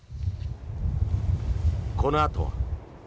このあとは。